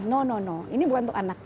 no no no ini bukan untuk anak